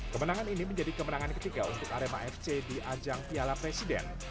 kemenangan ini menjadi kemenangan ketiga untuk arema fc di ajang piala presiden